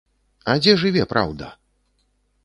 А дзе жыве праўда?